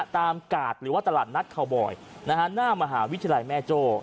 ตามกาทหรือว่าตลาดนัทเขาบอยนะฮะหน้ามหาวิทยาลัยแม่โจ้